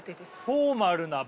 フォーマルな場。